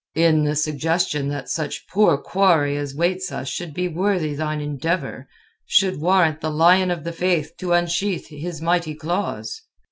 "In the suggestion that such poor quarry as waits us should be worthy thine endeavour, should warrant the Lion of the Faith to unsheathe his mighty claws.